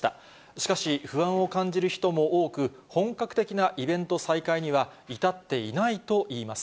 しかし、不安を感じる人も多く、本格的なイベント再開には至っていないといいます。